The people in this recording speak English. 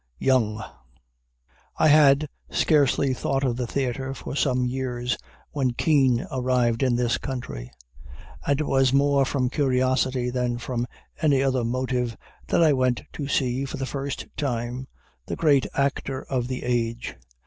_" YOUNG. I had scarcely thought of the theater for some years, when Kean arrived in this country; and it was more from curiosity than from any other motive, that I went to see, for the first time, the great actor of the age.